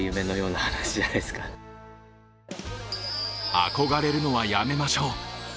憧れるのはやめましょう。